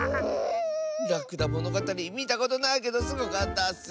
「らくだものがたり」みたことないけどすごかったッス。